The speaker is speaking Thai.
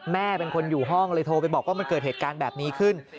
แม่เป็นคนอยู่ห้องเลยโทรไปบอกว่ามันเกิดเหตุการณ์แบบนี้ขึ้น